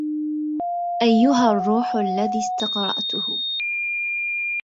ايها الروح الذي استقرأته